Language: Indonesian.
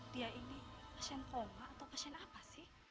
dia ini pasien corona atau pasien apa sih